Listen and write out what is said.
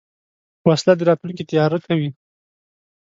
وسله د راتلونکي تیاره کوي